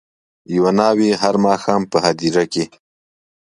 یوه ناوي هر ماښام په هدیره کي